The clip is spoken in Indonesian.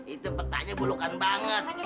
itu petanya bulukan banget